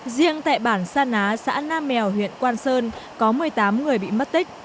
riêng tại bản sa ná xã nam mèo huyện quang sơn có một mươi tám người bị mất tích